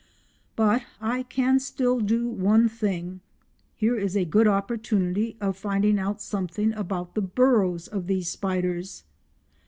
But I can still do one thing. Here is a good opportunity of finding out something about the burrows of these spiders.